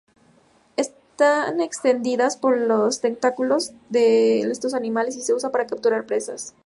Están extendidas por los tentáculos de estos animales y se usan para capturar presas.